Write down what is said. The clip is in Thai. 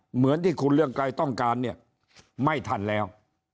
เหมือนที่คุณเรืองไกรต้องการเนี่ยไม่ทันแล้ว